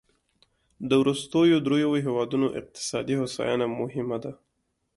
د وروستیو دریوو هېوادونو اقتصادي هوساینه مهمه ده.